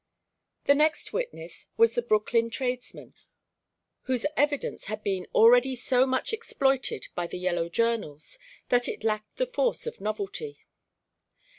The next witness was the Brooklyn tradesman, whose evidence had been already so much exploited by the yellow journals that it lacked the force of novelty.